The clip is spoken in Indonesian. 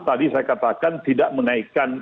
tadi saya katakan tidak menaikkan